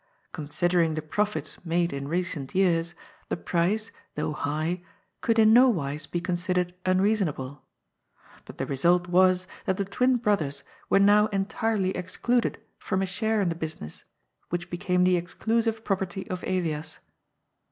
Con sidering the profits made in recent years, the price, though high, could in no wise be considered unreasonable. But the result was that the twin brothers were now entirely excluded from a share in the business, which became the exclusive property of Elias.